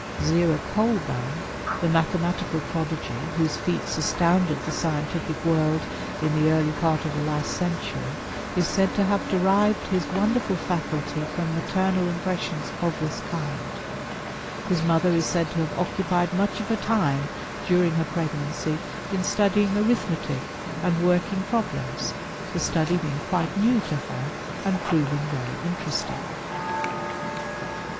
Zerah Colburn, the mathematical prodigy whose feats astounded the scientific world in the early part of the last century, is said to have derived his wonderful faculty from maternal impressions of this kind; his mother is said to have occupied much of her time during her pregnancy in studying arithmetic and working problems, the study being quite new to her and proving very interesting.